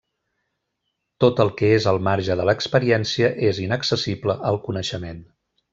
Tot el que és al marge de l'experiència és inaccessible al coneixement.